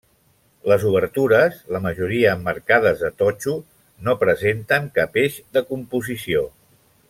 Les obertures, la majoria emmarcades de totxo, no presenten cap eix de composició.